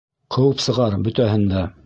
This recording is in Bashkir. Ҡыуып сығар бөтәһен дә!